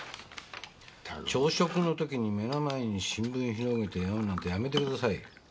朝食の時に目の前に新聞広げて読むなんてやめてくださいよ。